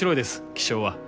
気象は。